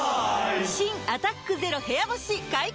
新「アタックＺＥＲＯ部屋干し」解禁‼